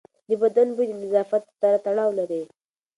د بدن بوی د نظافت سره تړاو لري.